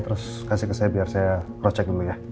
terus kasih ke saya biar saya procek dulu ya